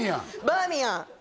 バーミヤン